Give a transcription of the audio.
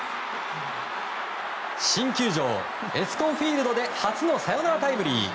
新球場エスコンフィールドで初のサヨナラタイムリー。